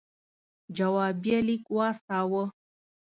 جوابیه لیک واستاوه.